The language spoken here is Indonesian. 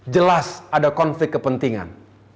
jelas ada konflik kepentingan